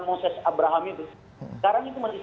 moses abraham itu sekarang itu masih